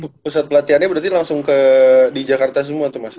berarti tuh pusat pelatihannya berarti langsung ke di jakarta semua tuh mas